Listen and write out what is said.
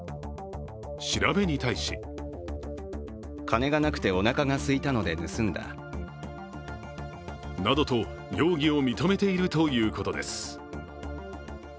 調べに対しなどと容疑を認めているということです。